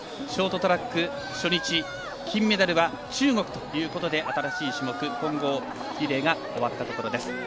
ショートトラック初日金メダルは中国ということで新しい種目、混合リレーが終わったところです。